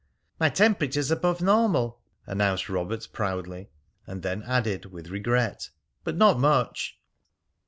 "My temperature's above normal," announced Robert proudly, and then added with regret, "but not much!"